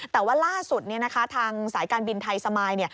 แต่ว่าล่าสุดทางสายการบินไทยสมาย